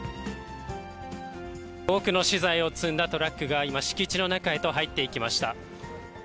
多くの資材を積んだトラックが今、敷地の中へと入っていきました。